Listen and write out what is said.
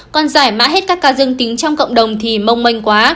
còn giải mạng hết các ca dương tính trong cộng đồng thì mông mênh quá